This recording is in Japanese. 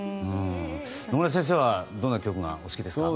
野村先生はどの曲がお好きですか？